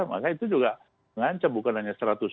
maka itu juga mengancam bukan hanya